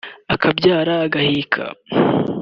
akabyara agaheka